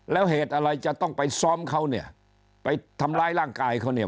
แล้วเหตุอะไรจะต้องไปซ้อมเขาเนี่ยไปทำร้ายร่างกายเขาเนี่ย